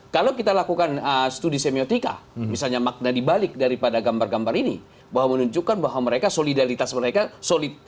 kalau kita lakukan studi semiotika misalnya makna dibalik daripada gambar gambar ini bahwa menunjukkan bahwa mereka solidaritas mereka solid